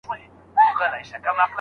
آيا د خاوند او ميرمني حقوق برابر دي؟